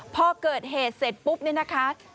พอเกิดเหตุเสร็จปุ๊บเนี่ยนะคะ